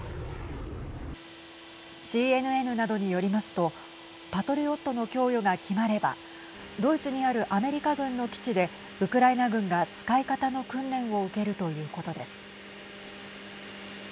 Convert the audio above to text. ＣＮＮなどによりますとパトリオットの供与が決まればドイツにあるアメリカ軍の基地でウクライナ軍が使い方の訓練を受けるということです。